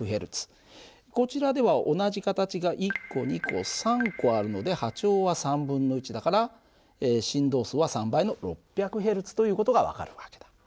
こちらでは同じ形が１個２個３個あるので波長は３分の１だから振動数は３倍の６００Ｈｚという事が分かる訳だ。